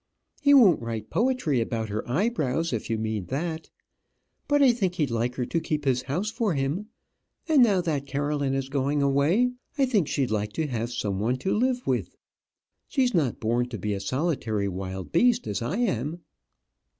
He won't write poetry about her eyebrows, if you mean that. But I think he'd like her to keep his house for him; and now that Caroline is going away, I think she'd like to have some one to live with. She's not born to be a solitary wild beast as I am."